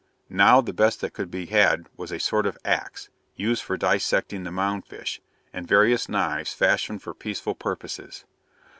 Now the best that could be had was a sort of ax, used for dissecting the mound fish, and various knives fashioned for peaceful purposes.